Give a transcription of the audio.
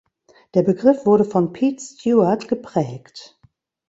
Der Begriff wurde von Pete Stewart geprägt.